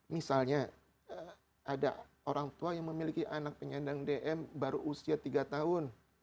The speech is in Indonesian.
misalnya ada orang tua yang memiliki anak penyandang dm baru usia tiga tahun